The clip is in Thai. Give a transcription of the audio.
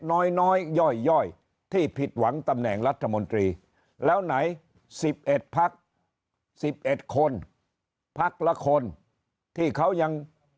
น้อยย่อยที่ผิดหวังตำแหน่งรัฐมนตรีแล้วไหน๑๑พัก๑๑คนพักละคนที่เขายัง